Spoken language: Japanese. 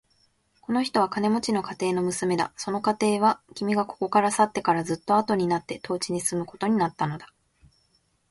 この人は金持の家庭の娘だ。その家庭は、君がここから去ってからずっとあとになって当地に住むことになったのだ。